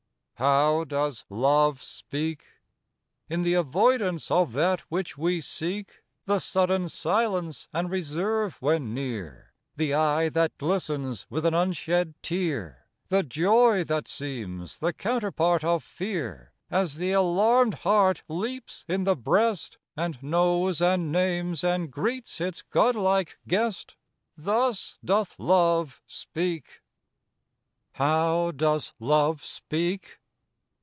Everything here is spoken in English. How does Love speak? In the avoidance of that which we seek The sudden silence and reserve when near The eye that glistens with an unshed tear The joy that seems the counterpart of fear, As the alarmed heart leaps in the breast, And knows and names and greets its godlike guest Thus doth Love speak. How does Love speak?